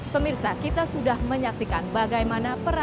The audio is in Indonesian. tempat berlindung di hari tua